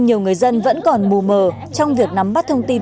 nhưng không còn mù mờ trong việc nắm bắt thông tin